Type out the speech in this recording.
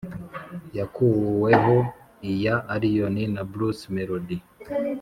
yakuweho iya allioni na bruce melody.